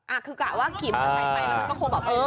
อ่ะคือแก่ว่าขีบมาใดใดแล้วมันคงแบบเออ